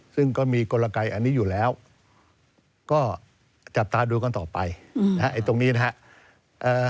ซึ่งก็มีกลไกอันนี้อยู่แล้วก็จับตาดูกันต่อไปนะฮะไอ้ตรงนี้นะครับ